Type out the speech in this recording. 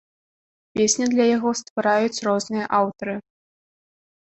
Песні для яго ствараюць розныя аўтары.